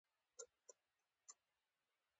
احمدشاه بابا د جګړو پر ځای سولي ته ترجیح ورکوله.